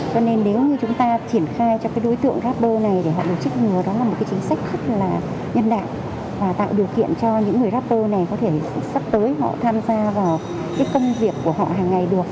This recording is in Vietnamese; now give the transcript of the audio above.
cho nên nếu như chúng ta triển khai cho cái đối tượng rapper này thì họ được trích ngừa đó là một cái chính sách rất là nhân đạo và tạo điều kiện cho những người rapple này có thể sắp tới họ tham gia vào cái công việc của họ hàng ngày được